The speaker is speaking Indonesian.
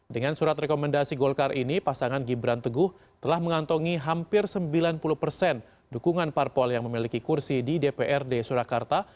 dengan surat rekomendasi golkar ini pasangan gibran teguh telah mengantongi hampir sembilan puluh persen dukungan parpol yang memiliki kursi di dprd surakarta